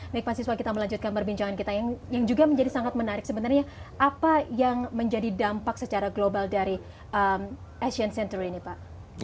baik pak siswa kita melanjutkan perbincangan kita yang juga menjadi sangat menarik sebenarnya apa yang menjadi dampak secara global dari asian center ini pak